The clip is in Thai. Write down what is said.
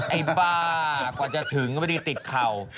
ไอ้บ้ากว่าจะถึงก็ไม่ได้ติดเข่า